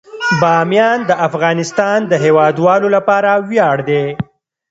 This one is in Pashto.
بامیان د افغانستان د هیوادوالو لپاره ویاړ دی.